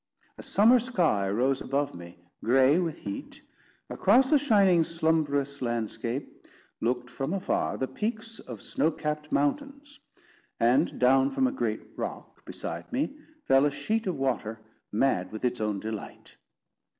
A summer sky rose above me, gray with heat; across a shining slumberous landscape, looked from afar the peaks of snow capped mountains; and down from a great rock beside me fell a sheet of water mad with its own delight.